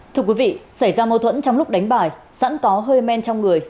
thưa quý vị xảy ra mâu thuẫn trong lúc đánh bài sẵn có hơi men trong người